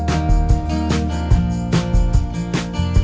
ไม่ไม่ไม่รู้ทันหรือเปล่า